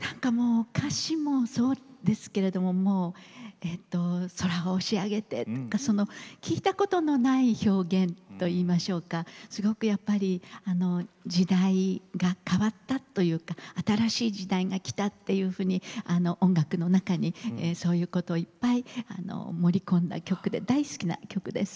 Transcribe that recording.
歌詞もそうですけれども「空を押し上げて」とか聞いたことのない表現といいましょうかすごくやっぱり時代が変わったというか新しい時代が来たっていうふうに音楽の中にそういうことをいっぱい盛り込んだ曲で大好きな曲です。